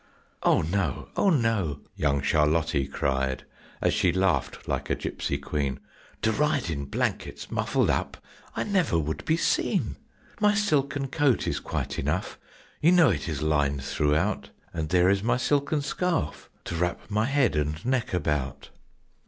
"Oh no, oh no!" young Charlottie cried, as she laughed like a gipsy queen, "To ride in blankets muffled up, I never would be seen. My silken coat is quite enough, you know it is lined throughout, And there is my silken scarf to wrap my head and neck about."